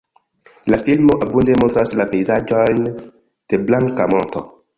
La filmo abunde montras la pejzaĝojn de Blanka Monto.